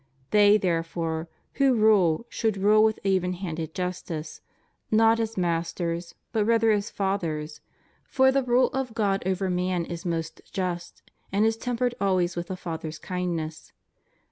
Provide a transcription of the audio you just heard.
They, therefore, who rule should rule with even handed justice, not as masters, but rather as fathers, for the rule of God over man is most just, and is tempered always with a father's kindness.